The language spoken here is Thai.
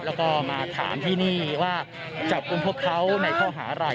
แล้วก็มาถามที่นี่ว่าจับกลุ่มพวกเขาในข้อหาอะไร